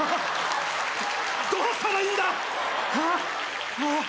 どうしたらいいんだ？